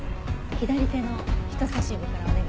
左手の人さし指からお願いします。